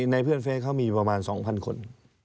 ในเพื่อนเฟสเขามีอยู่ประมาณ๒๐๐คน